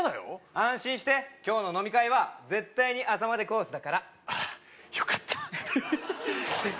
安心して今日の飲み会は絶対に朝までコースだからああよかった・